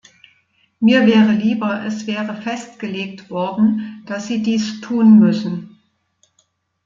Mir wäre lieber, es wäre festgelegt worden, dass sie dies tun müssen.